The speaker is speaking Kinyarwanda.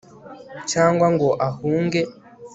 cyangwa ngo ahunge